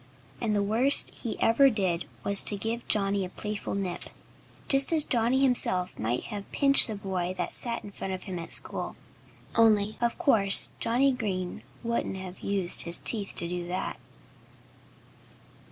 And the worst he ever did was to give Johnnie a playful nip, just as Johnnie himself might have pinched the boy that sat in front of him at school. Only, of course, Johnnie Green wouldn't have used his teeth to do that.